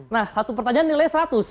nah satu pertanyaan nilai seratus